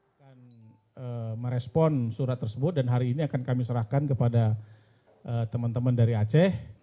akan merespon surat tersebut dan hari ini akan kami serahkan kepada teman teman dari aceh